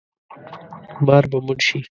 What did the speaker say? مار به مړ شي